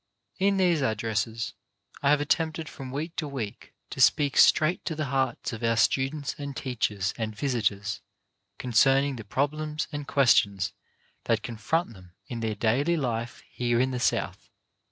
PREFACE In these addresses I have attempted from week to week to speak straight to the hearts of our students and teachers and visitors concerning the problems and questions that confront them in their daily life here in the South.